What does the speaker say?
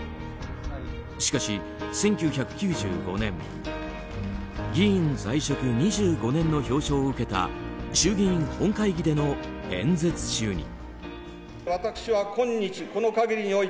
しかし、１９９５年議員在職２５年の表彰を受けた衆議院本会議での演説中に。